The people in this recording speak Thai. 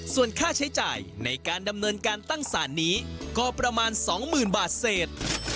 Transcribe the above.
ส่วนค่าใช้จ่ายในการดำเนินการตั้งสารนี้ก็ประมาณ๒๐๐๐บาทเศษ